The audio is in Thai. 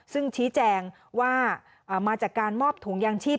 ซึ่งชี้แจงว่ามาจากการมอบถุงยางชีพ